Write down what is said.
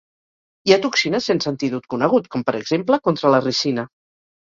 Hi ha toxines sense antídot conegut com per exemple contra la ricina.